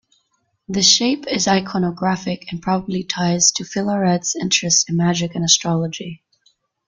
This shape is iconographic and probably ties to Filarete's interest in magic and astrology.